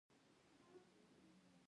بوتل د نوم، نیټې او توکي تفصیل لري.